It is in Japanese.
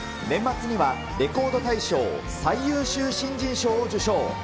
年末にはレコード大賞最優秀新人賞を受賞。